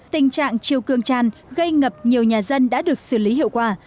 tình trạng chiều cường tràn gây ngập nhiều nhà dân đã được xử lý hiệu quả